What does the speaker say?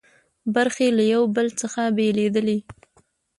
برخې له یو بل څخه بېلېدلې.